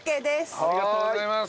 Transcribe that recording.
ありがとうございます！